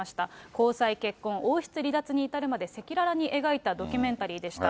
交際、結婚、王室離脱に至るまで、赤裸々に描いたドキュメンタリーでした。